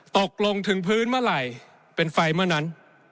ตกลงถึงพื้นเมื่อไหร่เป็นไฟเมื่อนั้น